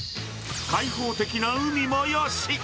開放的な海もよし。